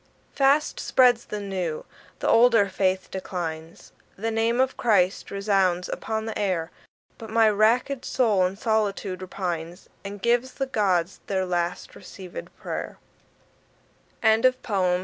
Fast spreads the new; the older faith declines. The name of Christ resounds upon the air. But my wrack'd soul in solitude repines And gives the Gods their last receivèd pray'r. Retrieved from "https://en.